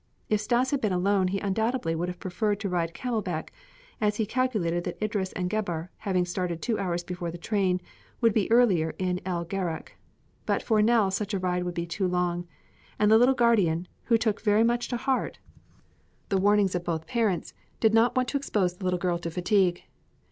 If Stas had been alone he undoubtedly would have preferred to ride camel back as he calculated that Idris and Gebhr, having started two hours before the train, would be earlier in El Gharak. But for Nell such a ride would be too long; and the little guardian, who took very much to heart the warnings of both parents, did not want to expose the little girl to fatigue.